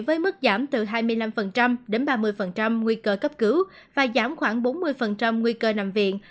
với mức giảm từ hai mươi năm đến ba mươi nguy cơ cấp cứu và giảm khoảng bốn mươi nguy cơ nằm viện